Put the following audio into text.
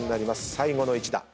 最後の１打。